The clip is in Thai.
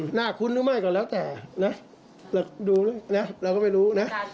หน้าคุ้นหรือไม่กว่าแล้วแต่เราก็ไม่รู้